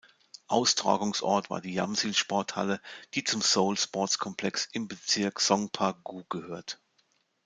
Austragungsort war die Jamsil-Sporthalle, die zum Seoul Sports Complex im Bezirk Songpa-gu gehört.